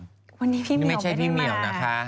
วันนี้พี่เมียวไม่ได้มานี่ไม่ใช่พี่เมียวนะคะ